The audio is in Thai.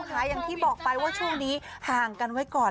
อย่างที่บอกไปว่าช่วงนี้ห่างกันไว้ก่อน